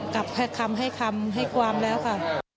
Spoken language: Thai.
กับคำให้คำให้ความแล้วค่ะ